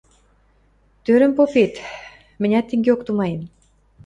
Тӧрӹм попет, мӹнят тенгеок тумаем.